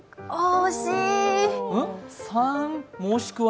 惜しい！